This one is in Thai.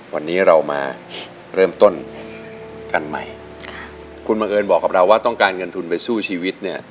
วันนี้เรามาเริ่มต้นกันใหม่ค่ะคุณบังเอิญบอกกับเราว่าต้องการเงินทุนไปสู้ชีวิตเนี่ย